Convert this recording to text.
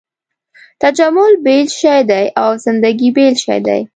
تجمل بېل شی دی او زندګي بېل شی دی.